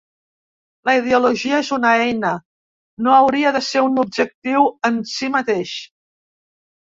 La ideologia és una eina, no hauria de ser un objectiu en si mateix.